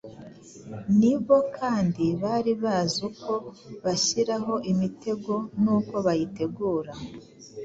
ni bo kandi bari bazi uko bashyiraho imitego n'uko bayitegura.